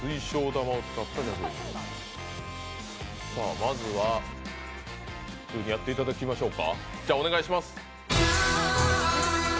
まずはやっていただきましょうか。